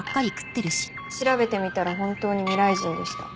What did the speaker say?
調べてみたら本当に未来人でした。